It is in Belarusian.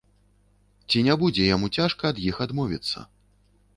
Ці не будзе яму цяжка ад іх адмовіцца?